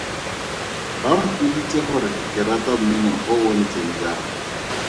Ba mpoditse gore ke rata mmino o o ntseng jang.